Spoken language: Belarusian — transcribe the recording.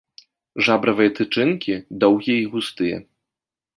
Жабравыя тычынкі доўгія і густыя.